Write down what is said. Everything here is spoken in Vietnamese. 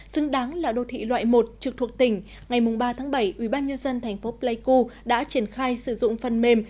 xứng đáng là đô thị loại một trực thuộc tỉnh ngày ba bảy ubnd tp pleiku đã triển khai sử dụng phần mềm